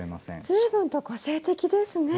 随分と個性的ですね。